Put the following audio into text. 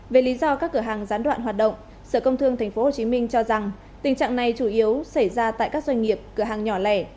về lý do các cửa hàng gián đoạn hoạt động sở công thương tp hcm cho rằng tình trạng này chủ yếu xảy ra tại các doanh nghiệp cửa hàng nhỏ lẻ